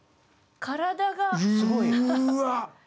体が。うわ！